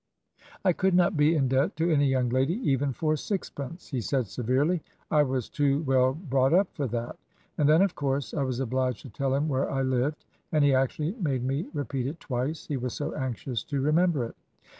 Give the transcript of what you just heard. "'I could not be in debt to any young lady even for sixpence,' he said, severely. 'I was too well brought up for that.' And then of course I was obliged to tell him where I lived; and he actually made me repeat it twice, he was so anxious to remember it.